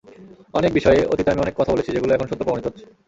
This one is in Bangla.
অনেক বিষয়ে অতীতে আমি অনেক কথা বলেছি, যেগুলো এখন সত্য প্রমাণিত হচ্ছে।